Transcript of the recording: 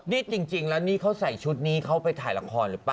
นี่จริงแล้วนี่เขาใส่ชุดนี้เขาไปถ่ายละครหรือเปล่า